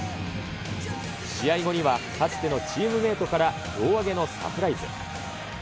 試合後には、かつてのチームメートから胴上げのサプライズ。